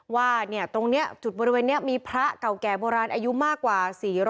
ว่าตรงนี้จุดบริเวณนี้มีพระเก่าแก่โบราณอายุมากกว่า๔๐๐